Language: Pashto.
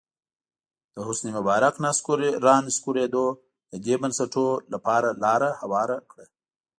د حسن مبارک رانسکورېدو د دې بنسټونو لپاره لاره هواره کړه.